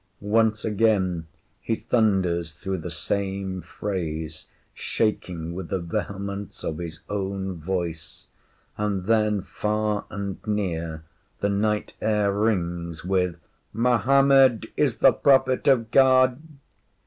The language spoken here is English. Once again he thunders through the same phrase, shaking with the vehemence of his own voice; and then, far and near, the night air rings with ‘Mahomed is the Prophet of God.